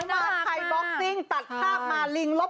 หน่าจะฟันโปนเซ็ปเซ็ป